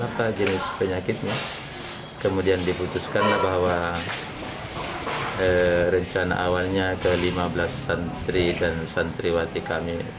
apa jenis penyakitnya kemudian diputuskanlah bahwa rencana awalnya ke lima belas santri dan santriwati kami